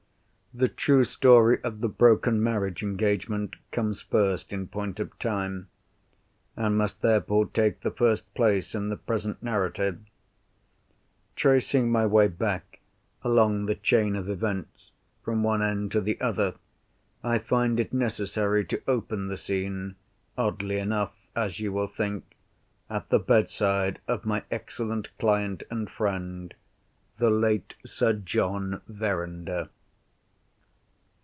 The true story of the broken marriage engagement comes first in point of time, and must therefore take the first place in the present narrative. Tracing my way back along the chain of events, from one end to the other, I find it necessary to open the scene, oddly enough as you will think, at the bedside of my excellent client and friend, the late Sir John Verinder.